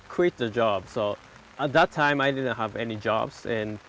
คุณต้องเป็นผู้งาน